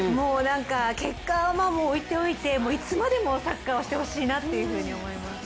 結果は置いておいて、いつまでもサッカーをしてほしいなと思います。